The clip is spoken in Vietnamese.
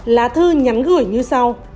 lá thư nhắn gửi như sau